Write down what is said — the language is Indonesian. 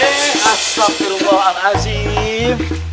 sabtu rumah al asif